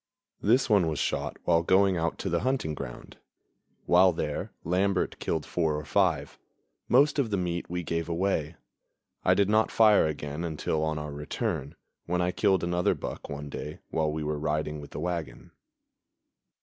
This one was shot while going out to the hunting ground. While there, Lambert killed four or five; most of the meat we gave away. I did not fire again until on our return, when I killed another buck one day while we were riding with the wagon.